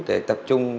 để tập trung